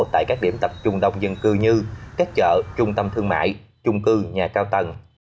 tại các điểm tập trung đông dân cư như các chợ trung tâm thương mại chung cư nhà cao tầng